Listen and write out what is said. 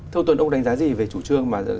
thưa ông tuấn ông đánh giá gì về chủ trương